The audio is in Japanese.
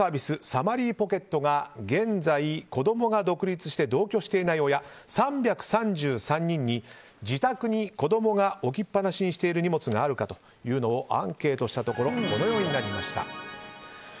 サマリーポケットが現在、子供が独立して同居していない親３３３人に自宅に子供が置きっぱなしにしている荷物があるかというのをアンケートしたところこのようになりました。